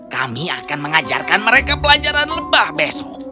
kami akan mengajarkan mereka pelajaran lebah besok